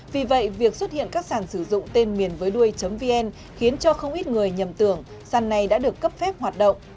vì vậy việc xuất hiện các sản sử dụng tên miền với đuôi vn khiến cho không ít người nhầm tưởng sàn này đã được cấp phép hoạt động